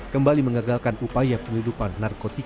kembali mengegalkan upaya penyelidupan narkotik